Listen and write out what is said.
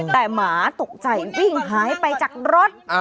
แต่หมาตกใจวิ่งหายไปจากรถ